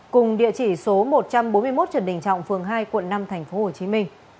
cùng địa chỉ số một trăm bốn mươi một trần đình trọng phường hai quận năm tp hcm